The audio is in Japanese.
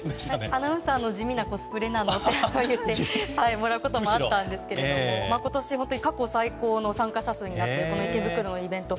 アナウンサーの地味なコスプレだといってもらうこともありましたが今年、過去最高の参加者数になっているこの池袋のイベント